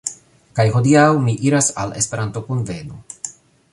Kaj hodiaŭ mi iras al Esperanto-kuveno.